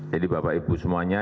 jadi bapak ibu semuanya